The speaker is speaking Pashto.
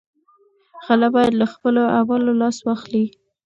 غله باید له خپلو اعمالو لاس واخلي.